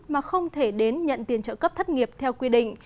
mà không thể đến nhận tiền trợ cấp thất nghiệp theo quy định